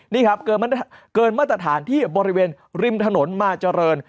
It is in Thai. นี่ครับเกินมาตรฐานที่บริเวณริมถนนมาเจริญ